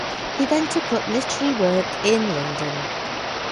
He then took up literary work in London.